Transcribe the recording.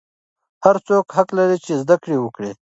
هر څوک حق لري چې زده کړې وکړي.